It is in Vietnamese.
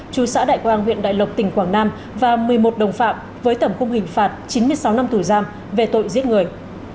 chú xã đại quang huyện đại lộc tỉnh quảng nam và một mươi một đồng phạm với tẩm khung hình phạt chín mươi sáu năm tù giam về tội giết người